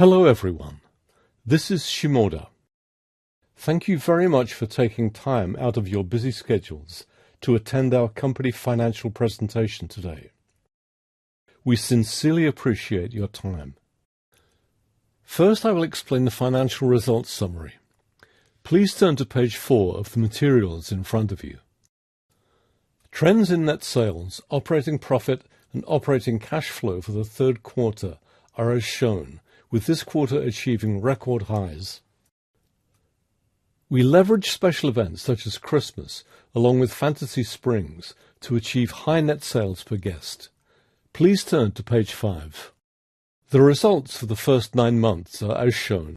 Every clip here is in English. Hello, everyone. This is Shimoda. Thank you very much for taking time out of your busy schedules to attend our company financial presentation today. We sincerely appreciate your time. First, I will explain the financial results summary. Please turn to page four of the materials in front of you. Trends in net sales, operating profit, and operating cash flow for the third quarter are as shown, with this quarter achieving record highs. We leverage special events such as Christmas, along with Fantasy Springs, to achieve high net sales per guest. Please turn to page five. The results for the first nine months are as shown.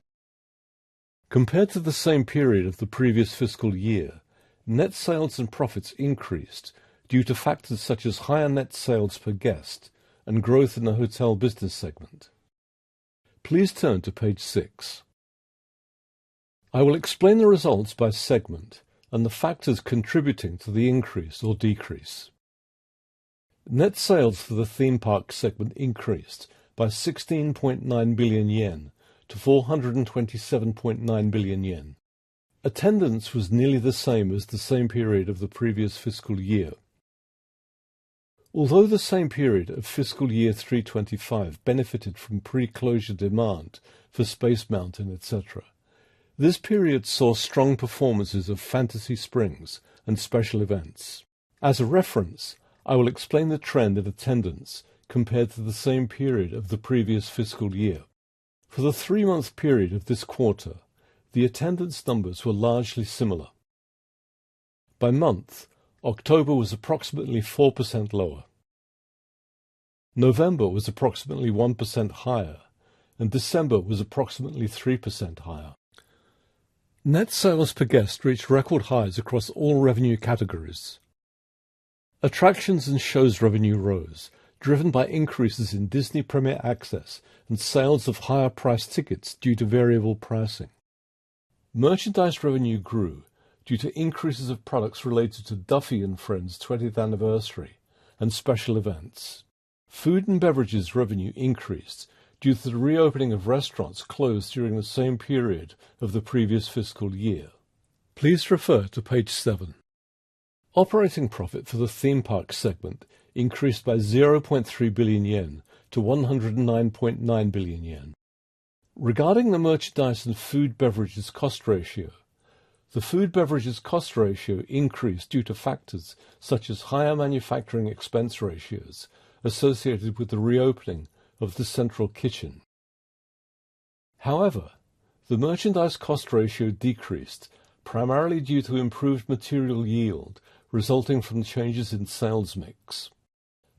Compared to the same period of the previous fiscal year, net sales and profits increased due to factors such as higher net sales per guest and growth in the hotel business segment. Please turn to page six. I will explain the results by segment and the factors contributing to the increase or decrease. Net sales for the theme park segment increased by 16.9 billion yen to 427.9 billion yen. Attendance was nearly the same as the same period of the previous fiscal year. Although the same period of fiscal year 2025 benefited from pre-closure demand for Space Mountain, et cetera, this period saw strong performances of Fantasy Springs and special events. As a reference, I will explain the trend in attendance compared to the same period of the previous fiscal year. For the three-month period of this quarter, the attendance numbers were largely similar. By month, October was approximately 4% lower, November was approximately 1% higher, and December was approximately 3% higher. Net sales per guest reached record highs across all revenue categories. Attractions and shows revenue rose, driven by increases in Disney Premier Access and sales of higher-priced tickets due to variable pricing. Merchandise revenue grew due to increases of products related to Duffy and Friends' twentieth anniversary and special events. Food and beverages revenue increased due to the reopening of restaurants closed during the same period of the previous fiscal year. Please refer to page seven. Operating profit for the theme park segment increased by 0.3 billion yen to 109.9 billion yen. Regarding the merchandise and food and beverages cost ratio, the food and beverages cost ratio increased due to factors such as higher manufacturing expense ratios associated with the reopening of the central kitchen. However, the merchandise cost ratio decreased primarily due to improved material yield resulting from changes in sales mix.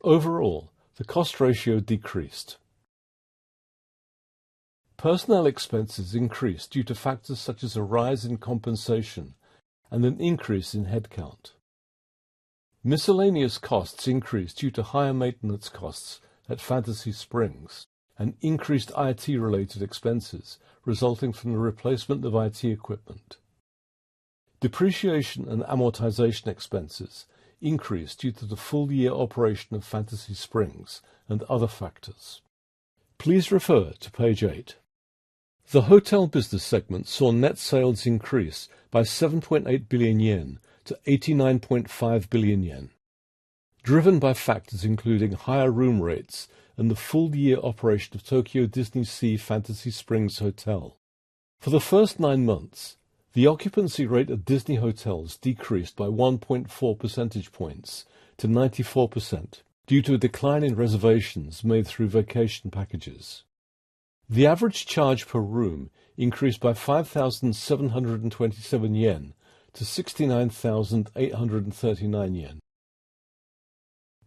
Overall, the cost ratio decreased. Personnel expenses increased due to factors such as a rise in compensation and an increase in headcount. Miscellaneous costs increased due to higher maintenance costs at Fantasy Springs and increased IT-related expenses resulting from the replacement of IT equipment. Depreciation and amortization expenses increased due to the full-year operation of Fantasy Springs and other factors. Please refer to page 8. The hotel business segment saw net sales increase by 7.8 billion yen to 89.5 billion yen, driven by factors including higher room rates and the full-year operation of Tokyo DisneySea Fantasy Springs Hotel. For the first nine months, the occupancy rate at Disney hotels decreased by 1.4 percentage points to 94% due to a decline in reservations made through Vacation Packages. The average charge per room increased by 5,727 yen to 69,839 yen.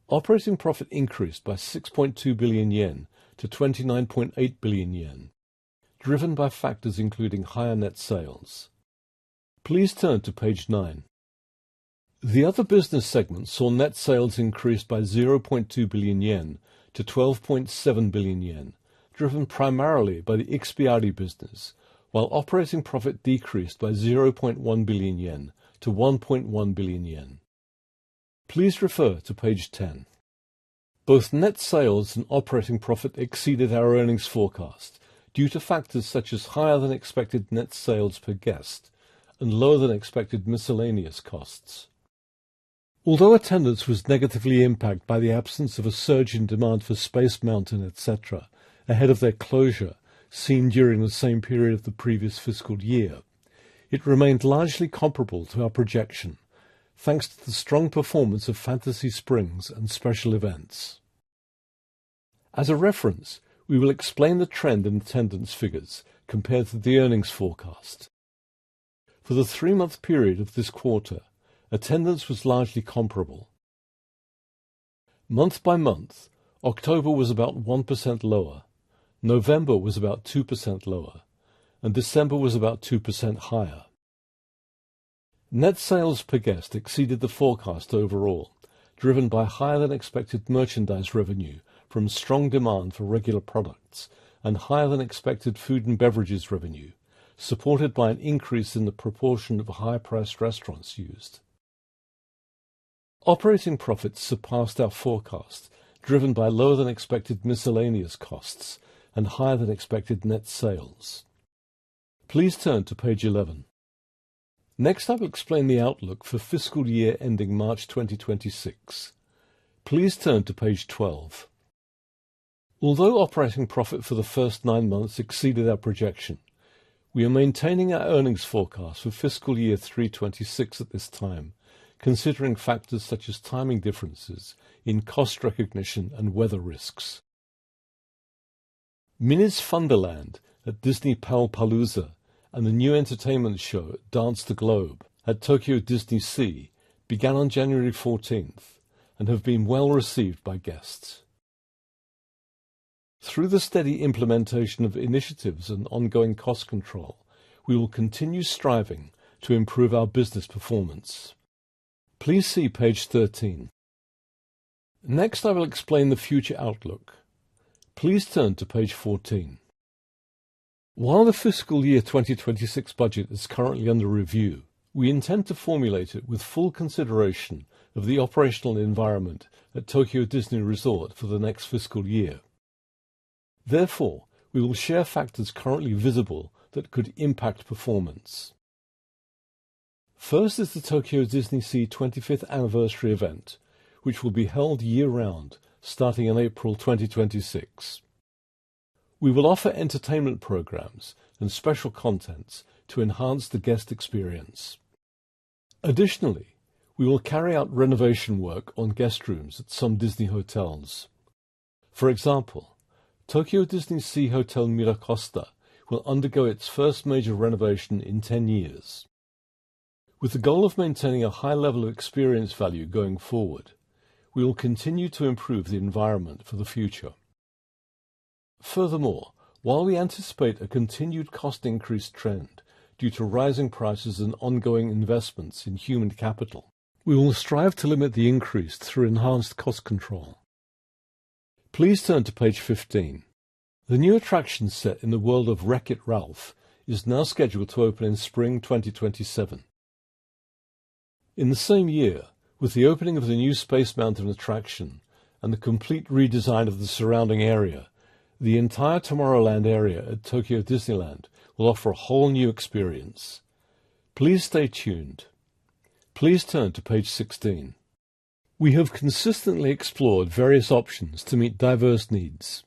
Operating profit increased by 6.2 billion yen to 29.8 billion yen, driven by factors including higher net sales. Please turn to page nine. The other business segment saw net sales increase by 0.2 billion yen to 12.7 billion yen, driven primarily by the Ikspiari business, while operating profit decreased by 0.1 billion yen to 1.1 billion yen. Please refer to page 10. Both net sales and operating profit exceeded our earnings forecast due to factors such as higher-than-expected net sales per guest and lower-than-expected miscellaneous costs. Although attendance was negatively impacted by the absence of a surge in demand for Space Mountain, et cetera, ahead of their closure seen during the same period of the previous fiscal year, it remained largely comparable to our projection, thanks to the strong performance of Fantasy Springs and special events. As a reference, we will explain the trend in attendance figures compared to the earnings forecast. For the three-month period of this quarter, attendance was largely comparable. Month by month, October was about 1% lower, November was about 2% lower, and December was about 2% higher. Net sales per guest exceeded the forecast overall, driven by higher-than-expected merchandise revenue from strong demand for regular products and higher-than-expected food and beverages revenue, supported by an increase in the proportion of higher-priced restaurants used. Operating profits surpassed our forecast, driven by lower-than-expected miscellaneous costs and higher-than-expected net sales. Please turn to page 11. Next, I will explain the outlook for fiscal year ending March 2026. Please turn to page 12. Although operating profit for the first nine months exceeded our projection, we are maintaining our earnings forecast for fiscal year 2026 at this time, considering factors such as timing differences in cost recognition and weather risks. Minnie's Funderland at Disney Pal-Palooza and the new entertainment show, Dance the Globe, at Tokyo DisneySea, began on January fourteenth and have been well-received by guests. Through the steady implementation of initiatives and ongoing cost control, we will continue striving to improve our business performance. Please see page 13. Next, I will explain the future outlook. Please turn to page 14. While the fiscal year 2026 budget is currently under review, we intend to formulate it with full consideration of the operational environment at Tokyo Disney Resort for the next fiscal year. Therefore, we will share factors currently visible that could impact performance. First is the Tokyo DisneySea 25th Anniversary event, which will be held year-round, starting in April 2026. We will offer entertainment programs and special content to enhance the guest experience. Additionally, we will carry out renovation work on guest rooms at some Disney hotels. For example, Tokyo DisneySea Hotel MiraCosta will undergo its first major renovation in 10 years. With the goal of maintaining a high level of experience value going forward, we will continue to improve the environment for the future. Furthermore, while we anticipate a continued cost increase trend due to rising prices and ongoing investments in human capital, we will strive to limit the increase through enhanced cost control. Please turn to page 15. The new attraction set in the world of Wreck-It Ralph is now scheduled to open in Spring 2027. In the same year, with the opening of the new Space Mountain attraction and the complete redesign of the surrounding area, the entire Tomorrowland area at Tokyo Disneyland will offer a whole new experience. Please stay tuned. Please turn to page 16. We have consistently explored various options to meet diverse needs.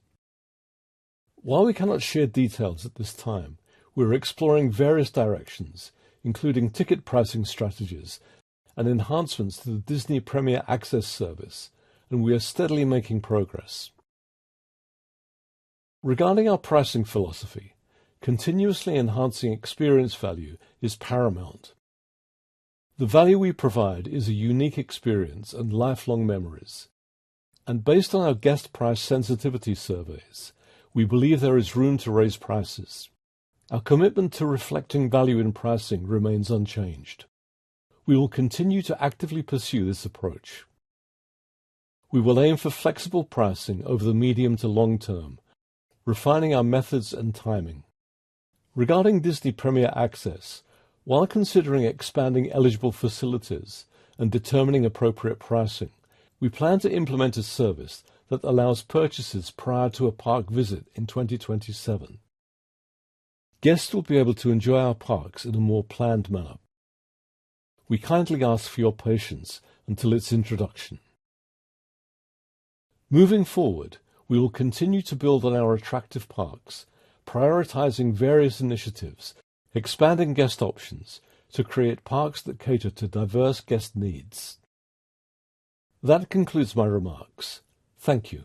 While we cannot share details at this time, we're exploring various directions, including ticket pricing strategies and enhancements to the Disney Premier Access service, and we are steadily making progress. Regarding our pricing philosophy, continuously enhancing experience value is paramount. The value we provide is a unique experience and lifelong memories, and based on our guest price sensitivity surveys, we believe there is room to raise prices. Our commitment to reflecting value in pricing remains unchanged. We will continue to actively pursue this approach. We will aim for flexible pricing over the medium to long term, refining our methods and timing. Regarding Disney Premier Access, while considering expanding eligible facilities and determining appropriate pricing, we plan to implement a service that allows purchases prior to a park visit in 2027. Guests will be able to enjoy our parks in a more planned manner. We kindly ask for your patience until its introduction. Moving forward, we will continue to build on our attractive parks, prioritizing various initiatives, expanding guest options to create parks that cater to diverse guest needs. That concludes my remarks. Thank you.